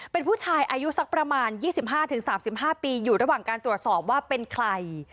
เป็นผู้ชายอายุสักประมาณ๒๕๓๕ปีอยู่ระหว่างการตรวจสอบว่าเป็นใคร